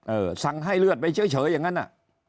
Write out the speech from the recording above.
สั่งให้เลือดไปเฉยอย่างนั้นอ่ะ